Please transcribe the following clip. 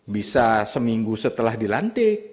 bisa seminggu setelah dilantik